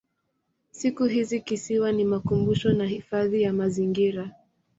Siku hizi kisiwa ni makumbusho na hifadhi ya mazingira.